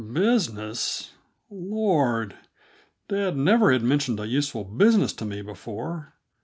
Business? Lord! dad never had mentioned a useful business to me before.